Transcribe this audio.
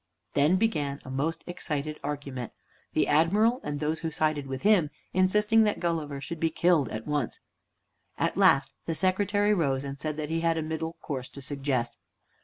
Then began a most excited argument, the Admiral and those who sided with him insisting that Gulliver should be killed at once. At last the Secretary rose and said that he had a middle course to suggest.